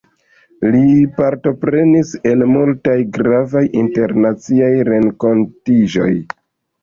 Li partoprenis en multaj gravaj internaciaj renkontiĝoj.